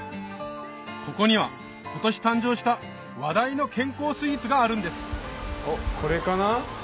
ここには今年誕生した話題の健康スイーツがあるんですこれかな？